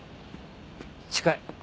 近い。